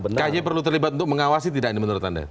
kj perlu terlibat untuk mengawasi tidak ini menurut anda